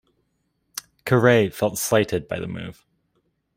Caray felt slighted by the move.